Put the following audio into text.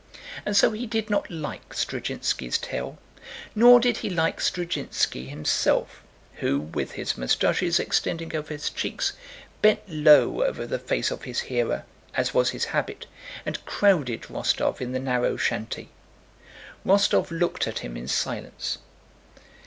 And so he did not like Zdrzhinski's tale, nor did he like Zdrzhinski himself who, with his mustaches extending over his cheeks, bent low over the face of his hearer, as was his habit, and crowded Rostóv in the narrow shanty. Rostóv looked at him in silence.